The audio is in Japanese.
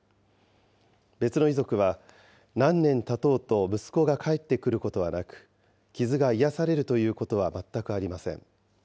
別の遺族は、何年たとうと息子が帰ってくることはなく、傷が癒やされるということは全くありません。